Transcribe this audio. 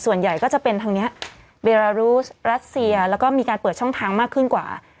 ส่วนใหญ่ก็จะเป็นทางนี้เบรารูสรัสเซียแล้วก็มีการเปิดช่องทางมากขึ้นกว่า